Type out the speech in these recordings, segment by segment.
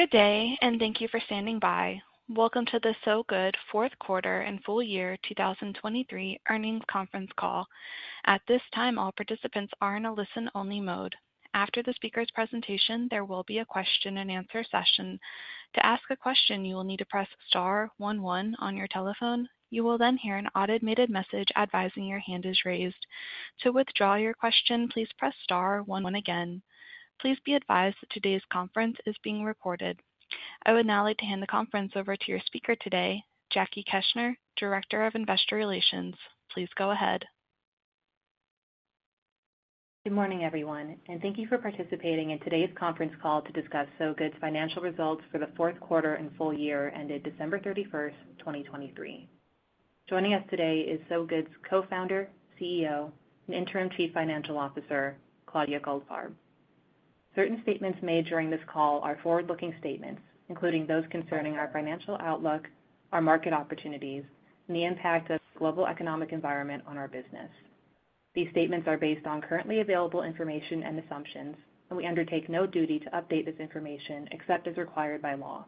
Good day, and thank you for standing by. Welcome to the Sow Good fourth quarter and full year 2023 earnings conference call. At this time, all participants are in a listen-only mode. After the speaker's presentation, there will be a question-and-answer session. To ask a question, you will need to press star one one on your telephone. You will then hear an automated message advising your hand is raised. To withdraw your question, please press star one one again. Please be advised that today's conference is being recorded. I would now like to hand the conference over to your speaker today, Jackie Keshner, Director of Investor Relations. Please go ahead. Good morning, everyone, and thank you for participating in today's conference call to discuss Sow Good's financial results for the fourth quarter and full year ended December 31st, 2023. Joining us today is Sow Good's Co-founder, CEO, and Interim Chief Financial Officer, Claudia Goldfarb. Certain statements made during this call are forward-looking statements, including those concerning our financial outlook, our market opportunities, and the impact of global economic environment on our business. These statements are based on currently available information and assumptions, and we undertake no duty to update this information except as required by law.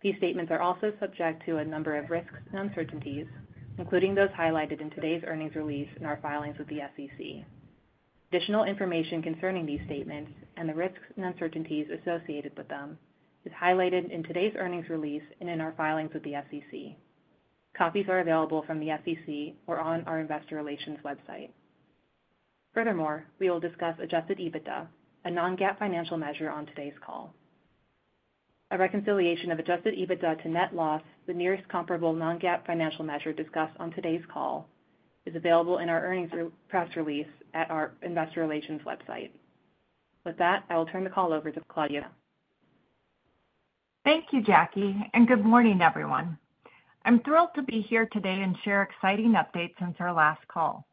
These statements are also subject to a number of risks and uncertainties, including those highlighted in today's earnings release and our filings with the SEC. Additional information concerning these statements and the risks and uncertainties associated with them is highlighted in today's earnings release and in our filings with the SEC. Copies are available from the SEC or on our investor relations website. Furthermore, we will discuss Adjusted EBITDA, a non-GAAP financial measure, on today's call. A reconciliation of Adjusted EBITDA to net loss, the nearest comparable GAAP financial measure discussed on today's call, is available in our earnings press release at our investor relations website. With that, I will turn the call over to Claudia. Thank you, Jackie, and good morning, everyone. I'm thrilled to be here today and share exciting updates since our last call.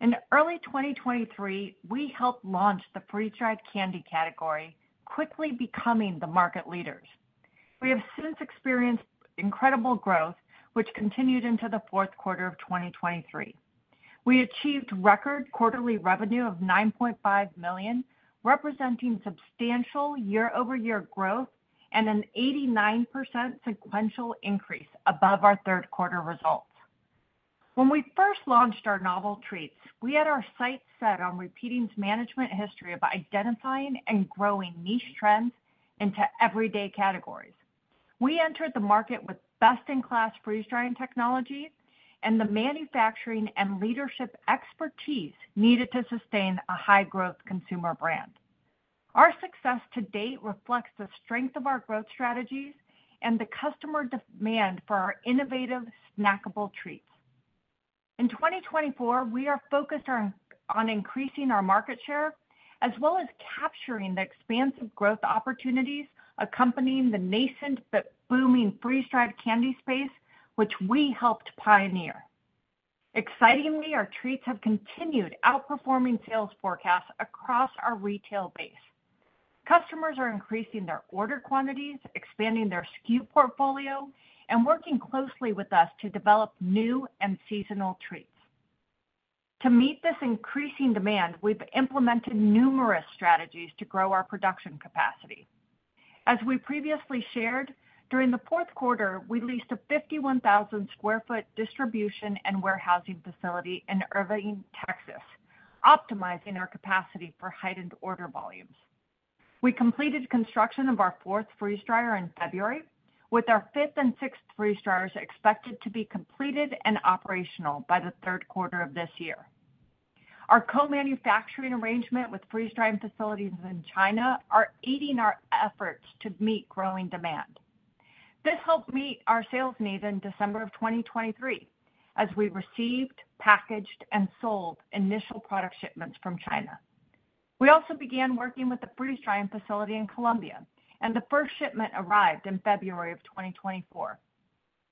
In early 2023, we helped launch the freeze-dried candy category, quickly becoming the market leaders. We have since experienced incredible growth, which continued into the fourth quarter of 2023. We achieved record quarterly revenue of $9.5 million, representing substantial year-over-year growth and an 89% sequential increase above our third quarter results. When we first launched our novel treats, we had our sights set on repeating management history of identifying and growing niche trends into everyday categories. We entered the market with best-in-class freeze-drying technology and the manufacturing and leadership expertise needed to sustain a high-growth consumer brand. Our success to date reflects the strength of our growth strategies and the customer demand for our innovative snackable treats. In 2024, we are focused on increasing our market share, as well as capturing the expansive growth opportunities accompanying the nascent but booming freeze-dried candy space, which we helped pioneer. Excitingly, our treats have continued outperforming sales forecasts across our retail base. Customers are increasing their order quantities, expanding their SKU portfolio, and working closely with us to develop new and seasonal treats. To meet this increasing demand, we've implemented numerous strategies to grow our production capacity. As we previously shared, during the fourth quarter, we leased a 51,000 sq ft distribution and warehousing facility in Irving, Texas, optimizing our capacity for heightened order volumes. We completed construction of our fourth freeze dryer in February, with our fifth and sixth freeze dryers expected to be completed and operational by the third quarter of this year. Our co-manufacturing arrangement with freeze-drying facilities in China are aiding our efforts to meet growing demand. This helped meet our sales needs in December 2023 as we received, packaged, and sold initial product shipments from China. We also began working with a freeze-drying facility in Colombia, and the first shipment arrived in February 2024.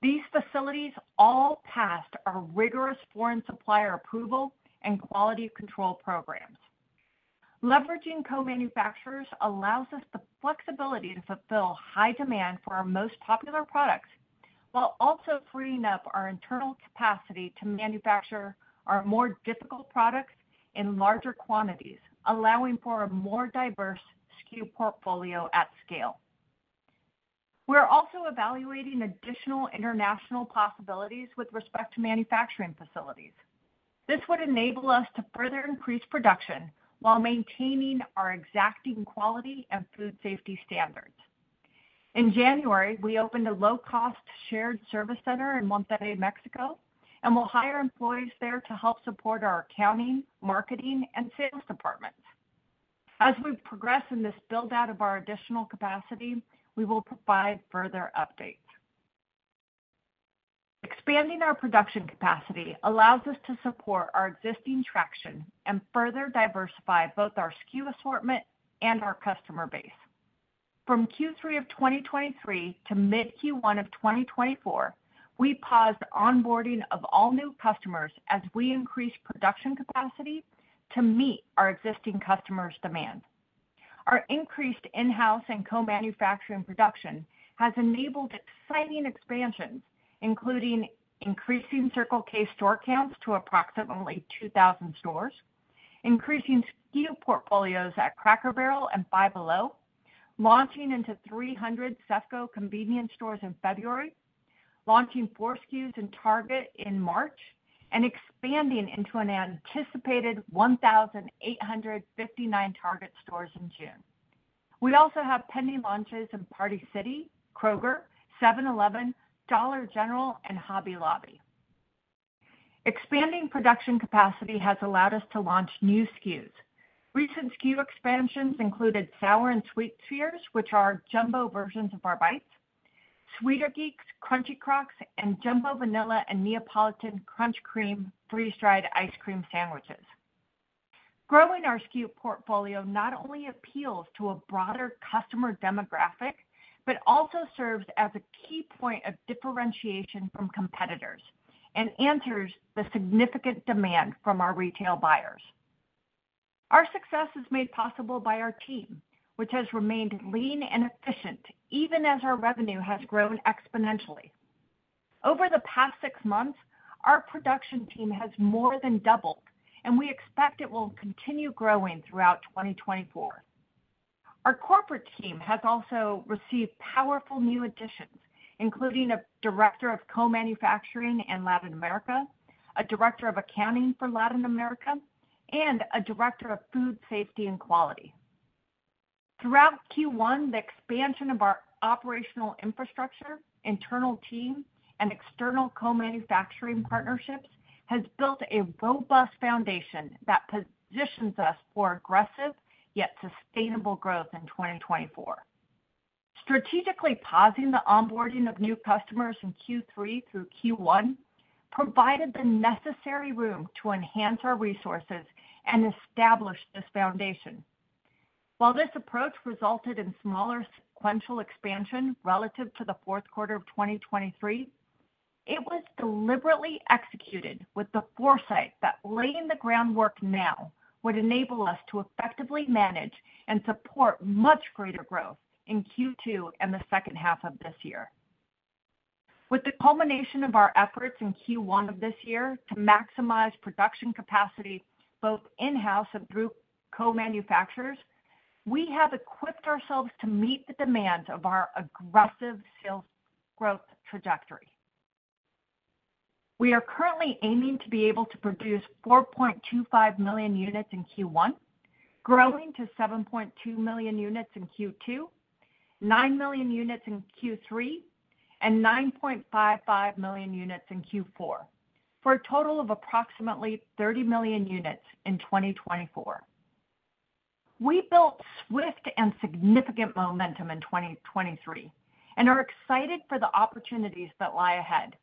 These facilities all passed our rigorous foreign supplier approval and quality control programs. Leveraging co-manufacturers allows us the flexibility to fulfill high demand for our most popular products while also freeing up our internal capacity to manufacture our more difficult products in larger quantities, allowing for a more diverse SKU portfolio at scale. We are also evaluating additional international possibilities with respect to manufacturing facilities. This would enable us to further increase production while maintaining our exacting quality and food safety standards. In January, we opened a low-cost shared service center in Monterrey, Mexico, and will hire employees there to help support our accounting, marketing, and sales departments. As we progress in this build-out of our additional capacity, we will provide further updates. Expanding our production capacity allows us to support our existing traction and further diversify both our SKU assortment and our customer base. From Q3 of 2023 to mid-Q1 of 2024, we paused onboarding of all new customers as we increased production capacity to meet our existing customers' demand. Our increased in-house and co-manufacturing production has enabled exciting expansions, including increasing Circle K store counts to approximately 2,000 stores.... increasing SKU portfolios at Cracker Barrel and Five Below, launching into 300 CEFCO convenience stores in February, launching four SKUs in Target in March, and expanding into an anticipated 1,859 Target stores in June. We also have pending launches in Party City, Kroger, 7-Eleven, Dollar General and Hobby Lobby. Expanding production capacity has allowed us to launch new SKUs. Recent SKU expansions included Sour and Sweet Spheres, which are jumbo versions of our bites, Sweet Geeks, Crunchy Crawlers, and jumbo vanilla and Neapolitan Crunch Cream freeze-dried ice cream sandwiches. Growing our SKU portfolio not only appeals to a broader customer demographic, but also serves as a key point of differentiation from competitors and answers the significant demand from our retail buyers. Our success is made possible by our team, which has remained lean and efficient, even as our revenue has grown exponentially. Over the past six months, our production team has more than doubled, and we expect it will continue growing throughout 2024. Our corporate team has also received powerful new additions, including a Director of Co-Manufacturing in Latin America, a Director of Accounting for Latin America, and a Director of Food Safety and Quality. Throughout Q1, the expansion of our operational infrastructure, internal team and external co-manufacturing partnerships has built a robust foundation that positions us for aggressive, yet sustainable growth in 2024. Strategically pausing the onboarding of new customers in Q3 through Q1, provided the necessary room to enhance our resources and establish this foundation. While this approach resulted in smaller sequential expansion relative to the fourth quarter of 2023, it was deliberately executed with the foresight that laying the groundwork now would enable us to effectively manage and support much greater growth in Q2 and the second half of this year. With the culmination of our efforts in Q1 of this year to maximize production capacity, both in-house and through co-manufacturers, we have equipped ourselves to meet the demands of our aggressive sales growth trajectory. We are currently aiming to be able to produce 4.25 million units in Q1, growing to 7.2 million units in Q2, nine million units in Q3, and 9.55 million units in Q4, for a total of approximately 30 million units in 2024. We built swift and significant momentum in 2023 and are excited for the opportunities that lie ahead.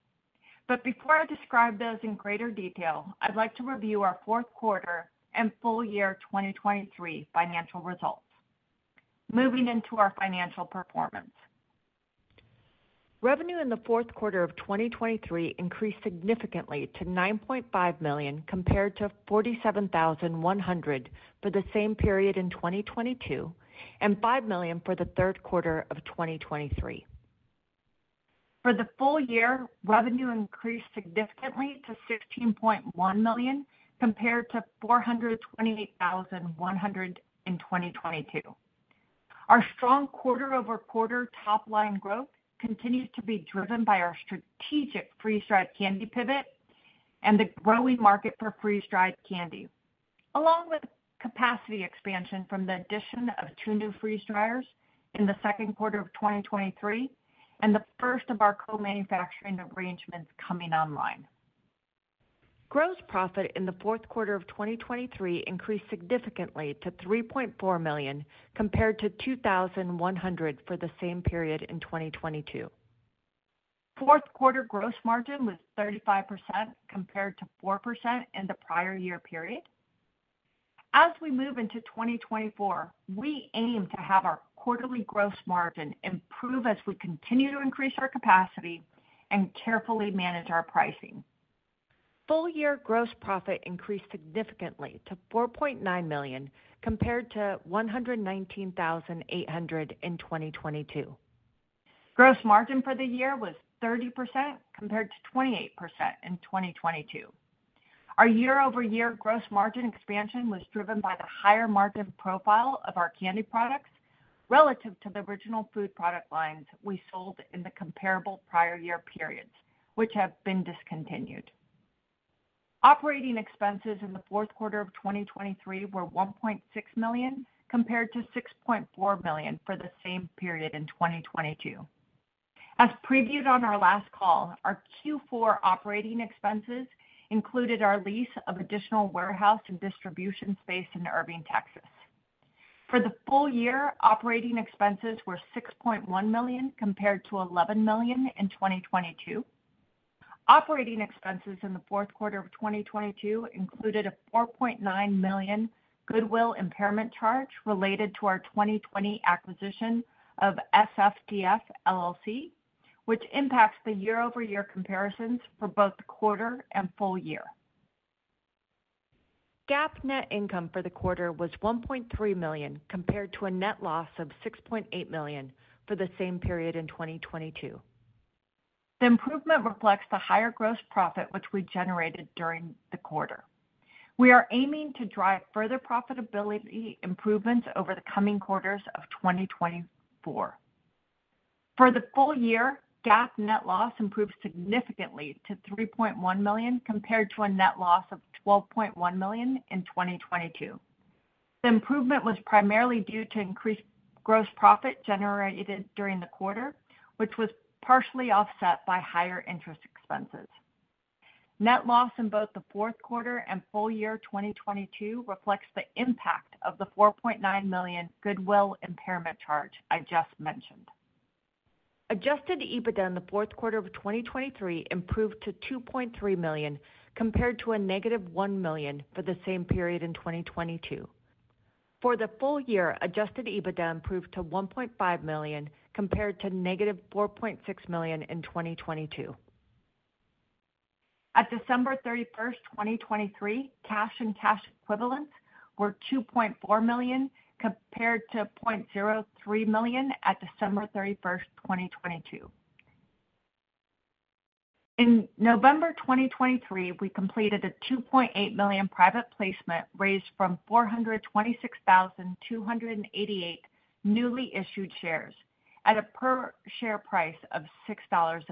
But before I describe those in greater detail, I'd like to review our fourth quarter and full year 2023 financial results. Moving into our financial performance. Revenue in the fourth quarter of 2023 increased significantly to $9.5 million, compared to $47,100 for the same period in 2022, and $5 million for the third quarter of 2023. For the full year, revenue increased significantly to $16.1 million, compared to $428,100 in 2022. Our strong quarter-over-quarter top line growth continues to be driven by our strategic freeze-dried candy pivot and the growing market for freeze-dried candy, along with capacity expansion from the addition of two new freeze dryers in the second quarter of 2023, and the first of our co-manufacturing arrangements coming online. Gross profit in the fourth quarter of 2023 increased significantly to $3.4 million, compared to $2,100 for the same period in 2022. Fourth quarter gross margin was 35%, compared to 4% in the prior year period. As we move into 2024, we aim to have our quarterly gross margin improve as we continue to increase our capacity and carefully manage our pricing. Full year gross profit increased significantly to $4.9 million, compared to $119,800 in 2022. Gross margin for the year was 30%, compared to 28% in 2022. Our year-over-year gross margin expansion was driven by the higher margin profile of our candy products relative to the original food product lines we sold in the comparable prior year periods, which have been discontinued. Operating expenses in the fourth quarter of 2023 were $1.6 million, compared to $6.4 million for the same period in 2022. As previewed on our last call, our Q4 operating expenses included our lease of additional warehouse and distribution space in Irving, Texas. For the full year, operating expenses were $6.1 million, compared to $11 million in 2022. Operating expenses in the fourth quarter of 2022 included a $4.9 million goodwill impairment charge related to our 2020 acquisition of S-FDF, LLC, which impacts the year-over-year comparisons for both the quarter and full year. GAAP net income for the quarter was $1.3 million, compared to a net loss of $6.8 million for the same period in 2022. The improvement reflects the higher gross profit, which we generated during the quarter. We are aiming to drive further profitability improvements over the coming quarters of 2024. For the full year, GAAP net loss improved significantly to $3.1 million, compared to a net loss of $12.1 million in 2022. The improvement was primarily due to increased gross profit generated during the quarter, which was partially offset by higher interest expenses. Net loss in both the fourth quarter and full year 2022 reflects the impact of the $4.9 million goodwill impairment charge I just mentioned. Adjusted EBITDA in the fourth quarter of 2023 improved to $2.3 million, compared to -$1 million for the same period in 2022. For the full year, adjusted EBITDA improved to $1.5 million, compared to -$4.6 million in 2022. At December 31st, 2023, cash and cash equivalents were $2.4 million, compared to $0.03 million at December 31st, 2022. In November 2023, we completed a $2.8 million private placement raised from 426,288 newly issued shares at a per share price of $6.50.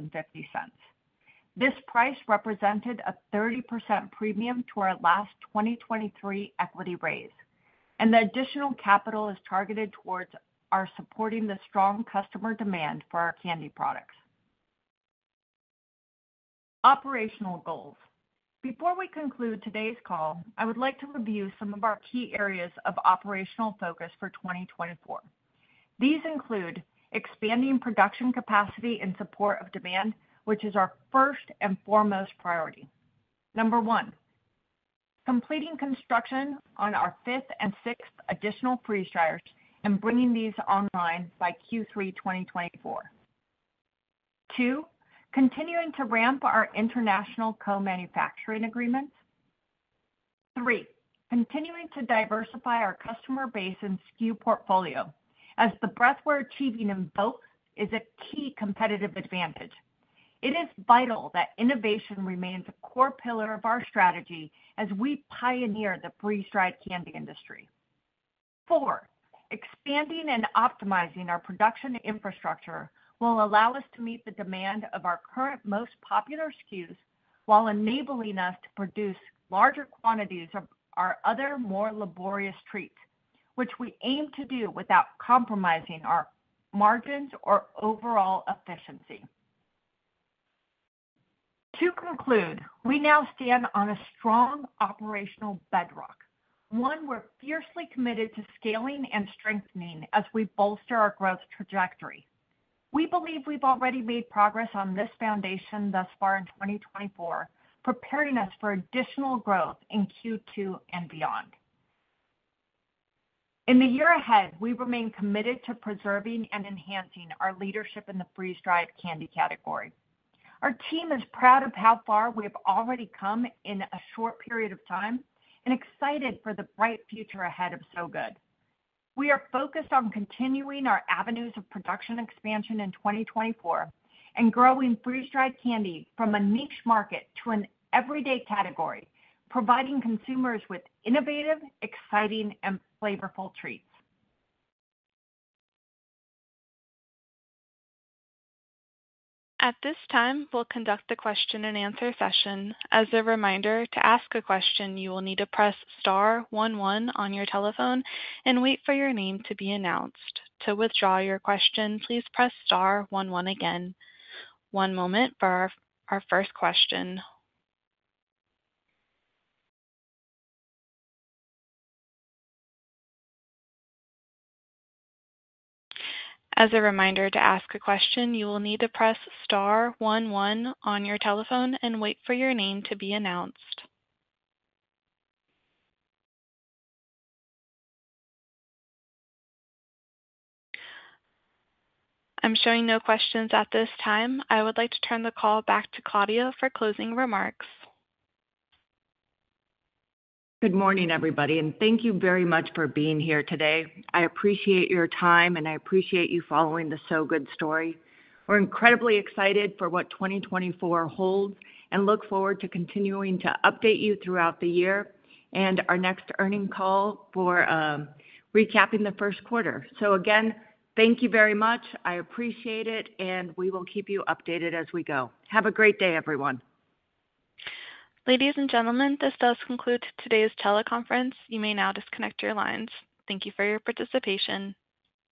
This price represented a 30% premium to our last 2023 equity raise, and the additional capital is targeted towards our supporting the strong customer demand for our candy products. Operational goals. Before we conclude today's call, I would like to review some of our key areas of operational focus for 2024. These include expanding production capacity in support of demand, which is our first and foremost priority. 1. Completing construction on our fifth and sixth additional freeze dryers and bringing these online by Q3 2024. 2. Continuing to ramp our international co-manufacturing agreements. 3. Continuing to diversify our customer base and SKU portfolio, as the breadth we're achieving in both is a key competitive advantage. It is vital that innovation remains a core pillar of our strategy as we pioneer the freeze-dried candy industry. Four, expanding and optimizing our production infrastructure will allow us to meet the demand of our current most popular SKUs, while enabling us to produce larger quantities of our other more laborious treats, which we aim to do without compromising our margins or overall efficiency. To conclude, we now stand on a strong operational bedrock, one we're fiercely committed to scaling and strengthening as we bolster our growth trajectory. We believe we've already made progress on this foundation thus far in 2024, preparing us for additional growth in Q2 and beyond. In the year ahead, we remain committed to preserving and enhancing our leadership in the freeze-dried candy category. Our team is proud of how far we have already come in a short period of time and excited for the bright future ahead of Sow Good. We are focused on continuing our avenues of production expansion in 2024 and growing freeze-dried candy from a niche market to an everyday category, providing consumers with innovative, exciting, and flavorful treats. At this time, we'll conduct a question-and-answer session. As a reminder, to ask a question, you will need to press star one one on your telephone and wait for your name to be announced. To withdraw your question, please press star one one again. One moment for our first question. As a reminder, to ask a question, you will need to press star one one on your telephone and wait for your name to be announced. I'm showing no questions at this time. I would like to turn the call back to Claudia for closing remarks. Good morning, everybody, and thank you very much for being here today. I appreciate your time, and I appreciate you following the Sow Good story. We're incredibly excited for what 2024 holds and look forward to continuing to update you throughout the year and our next earning call for recapping the first quarter. So again, thank you very much. I appreciate it, and we will keep you updated as we go. Have a great day, everyone. Ladies and gentlemen, this does conclude today's teleconference. You may now disconnect your lines. Thank you for your participation.